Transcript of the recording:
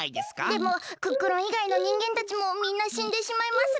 でもクックルンいがいのにんげんたちもみんなしんでしまいますが。